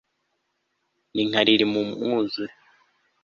Nka lili mu mwuzure